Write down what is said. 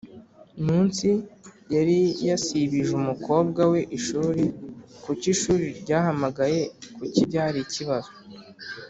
munsi yari yasibije umukobwa we ishuri Kuki ishuri ryahamagaye Kuki byari ikibazo